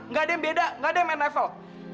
gak ada yang beda gak ada yang main level